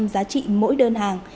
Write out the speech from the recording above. giá trị mỗi đơn hàng